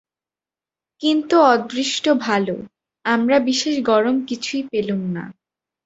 কিন্তু অদৃষ্ট ভাল, আমরা বিশেষ গরম কিছুই পেলুম না।